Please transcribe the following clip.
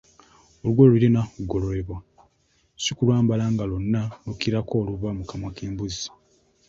Olugoye lulina kugolorebwa si kulwambala nga lwonna lukirako oluva mu kamwa k'embuzi!